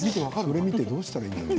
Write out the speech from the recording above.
これ見てどうしたらいいんだよ。